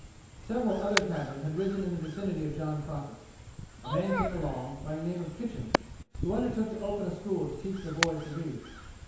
Several other cabins had risen in the vicinity of John Crockett's. A man came along, by the name of Kitchen, who undertook to open a school to teach the boys to read.